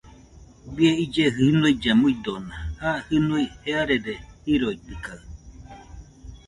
Bie ille junuilla muidona, ja jɨnui jearede jiroitɨkaɨ